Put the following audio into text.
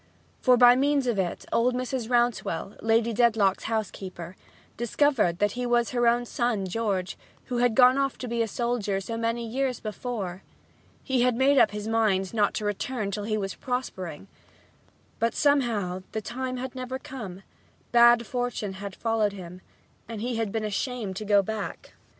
For by means of it old Mrs. Rouncewell, Lady Dedlock's housekeeper, discovered that he was her own son George, who had gone off to be a soldier so many years before. He had made up his mind not to return till he was prospering. But somehow this time had never come; bad fortune had followed him and he had been ashamed to go back.